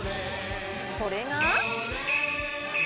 それが。